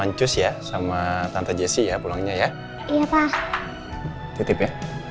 yesus ya sama tante jessy ya pulangnya ya iya pak titip ya